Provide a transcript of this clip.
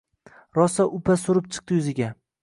Rosa upa surib chiqdi yuziga.